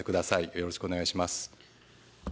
よろしくお願いします。